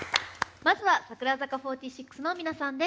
まずは、櫻坂４６の皆さんです。